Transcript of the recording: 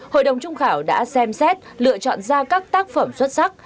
hội đồng trung khảo đã xem xét lựa chọn ra các tác phẩm xuất sắc